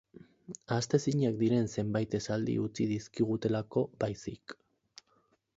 Ahaztezinak diren zenbait esaldi utzi dizkigutelako baizik.